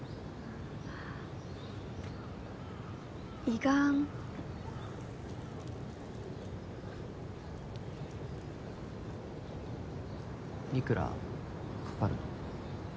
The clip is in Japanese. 胃がんいくらかかるの？